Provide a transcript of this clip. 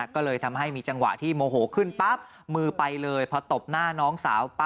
ก็เลยทำให้มีจังหวะที่โมโหขึ้นปั๊บมือไปเลยพอตบหน้าน้องสาว